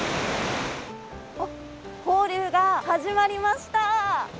おっ、放流が始まりました。